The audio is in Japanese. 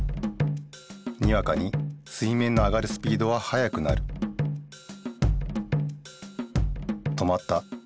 にわかに水面の上がるスピードは速くなる止まった。